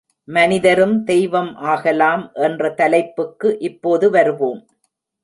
மனிதரும் தெய்வம் ஆகலாம் என்ற தலைப்புக்கு இப்போது வருவோம்.